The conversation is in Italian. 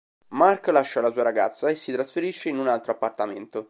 Mark lascia la sua ragazza e si trasferisce in un altro appartamento.